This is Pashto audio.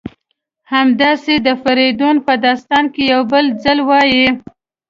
همداسې د فریدون په داستان کې یو بل ځل وایي: